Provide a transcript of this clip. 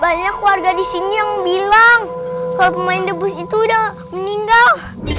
banyak warga di sini yang bilang kalau pemain debus itu udah meninggal